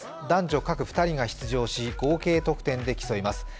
男女各２人が出場し、合計得点で競います。